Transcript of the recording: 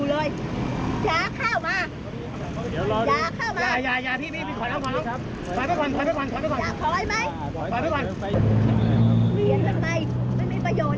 เทียบกันไปไม่มีประโยชน์อะไรขึ้นมา